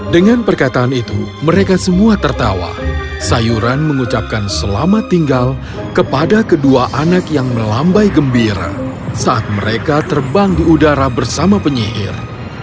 dengan perkataan itu mereka semua tertawa sayuran mengucapkan selamat tinggal kepada kedua anak yang melambai gembira saat mereka terbang di udara bersama penyihir